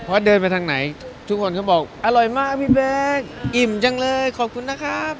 เพราะเดินไปทางไหนทุกคนเขาบอกอร่อยมากพี่เบิร์มจังเลยขอบคุณนะครับ